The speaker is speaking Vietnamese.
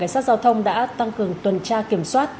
cảnh sát giao thông đã tăng cường tuần tra kiểm soát